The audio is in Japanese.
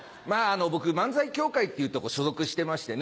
僕漫才協会っていうとこ所属してましてね。